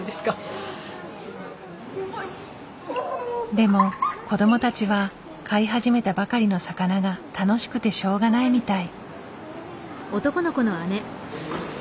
でも子どもたちは飼い始めたばかりの魚が楽しくてしょうがないみたい。